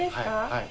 はい。